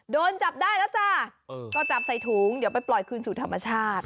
โดนจับได้แล้วจ้าก็จับใส่ถุงเดี๋ยวไปปล่อยคืนสู่ธรรมชาติ